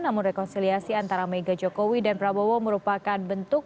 namun rekonsiliasi antara mega jokowi dan prabowo merupakan bentuk